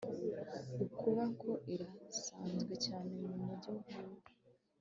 ukuoka irasanzwe cyane mumujyi nkunda